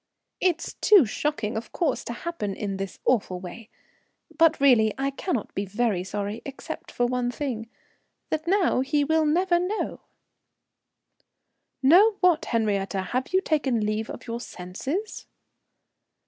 "It's too shocking, of course, to happen in this awful way. But really, I cannot be very sorry except for one thing that now he will never know." "Know what, Henriette? Have you taken leave of your senses?"